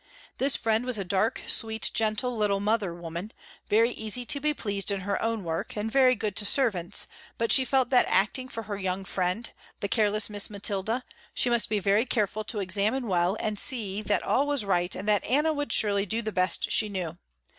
This friend was a dark, sweet, gentle little mother woman, very easy to be pleased in her own work and very good to servants, but she felt that acting for her young friend, the careless Miss Mathilda, she must be very careful to examine well and see that all was right and that Anna would surely do the best she knew.